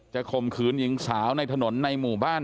ข่มขืนหญิงสาวในถนนในหมู่บ้าน